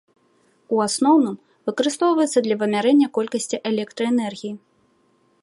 У асноўным выкарыстоўваецца для вымярэння колькасці электраэнергіі.